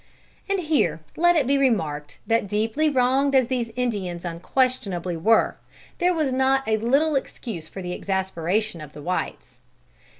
And here let it be remarked, that deeply wronged as these Indians unquestionably were, there was not a little excuse for the exasperation of the whites.